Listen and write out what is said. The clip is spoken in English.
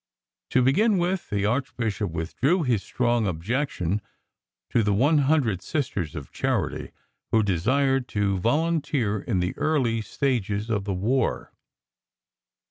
To begin with, the Archbishop withdrew his "strong objection" to the one hundred Sisters of Charity who desired to volunteer in the early stages of the war.